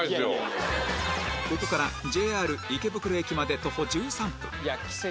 ここからＪＲ池袋駅まで徒歩１３分